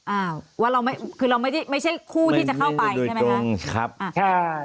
อ้าวว่าเราไม่คือเราไม่ได้ไม่ใช่คู่ที่จะเข้าไปใช่ไหมคะอ่าใช่